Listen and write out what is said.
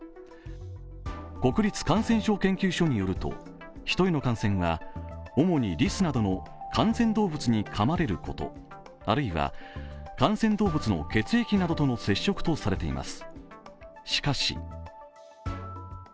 国立感染症研究所によるとヒトへの感染は、主にリスなど感染動物にかまれることあるいは感染動物の血液などとの接触とされています。